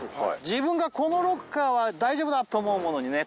自分がこのロッカーは大丈夫だと思うものにね